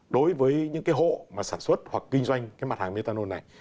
đối với những hộ sản xuất hoặc kinh doanh mặt hàng methanol này